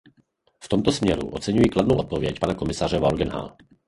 V tomto směru oceňuji kladnou odpověď pana komisaře Verheugena.